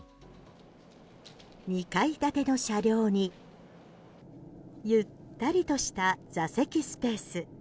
２階建ての車両にゆったりとした座席スペース。